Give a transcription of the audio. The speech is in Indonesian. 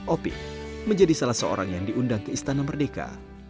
opik menjadi salah seorang yang diundang ke istana merdeka